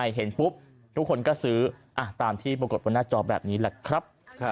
เห็นปุ๊บทุกคนก็ซื้อตามที่ปรากฏบนหน้าจอแบบนี้แหละครับ